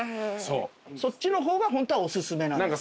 そっちの方がホントはおすすめなんですね？